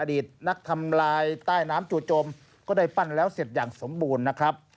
อดีตนักทำลายใต้น้ำจู่จมก็ได้ปั้นแล้วเสร็จอย่างสมบูรณ์นะครับ